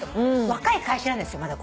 若い会社なんですよまだ。